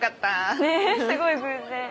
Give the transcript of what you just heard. ねぇすごい偶然。